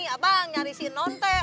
abang nyari si non teh